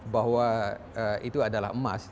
bahwa itu adalah emas